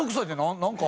何？